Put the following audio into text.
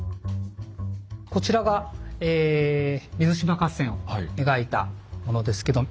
こちらが水島合戦を描いたものですけど。